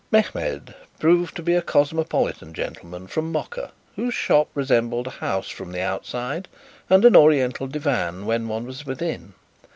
Mehmed proved to be a cosmopolitan gentleman from Mocha whose shop resembled a house from the outside and an Oriental divan when one was within.